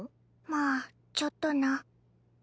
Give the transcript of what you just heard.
まあちょっとな。